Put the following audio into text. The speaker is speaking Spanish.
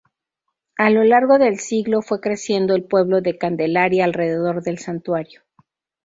A lo largo del siglo fue creciendo el pueblo de Candelaria alrededor del santuario.